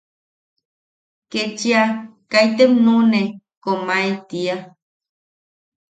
Kechia ‘kaitem nuʼune, komae, tia.